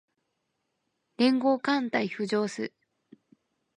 連合艦隊浮上す